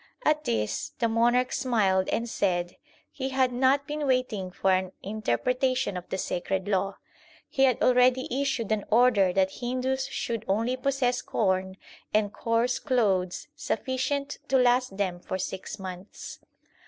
At this the monarch smiled and said he had not been waiting for an interpretation of the sacred law. He had already issued an order that Hindus should only possess corn and coarse clothes sufficient to last them for six months.